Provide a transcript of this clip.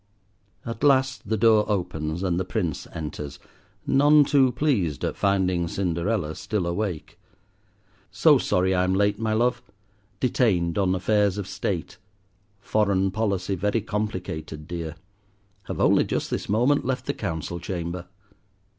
At last the door opens, and the Prince enters, none too pleased at finding Cinderella still awake. "So sorry I'm late, my love—detained on affairs of state. Foreign policy very complicated, dear. Have only just this moment left the Council Chamber."